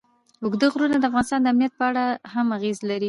اوږده غرونه د افغانستان د امنیت په اړه هم اغېز لري.